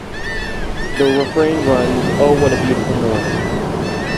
The refrain runs: Oh, what a beautiful mornin'!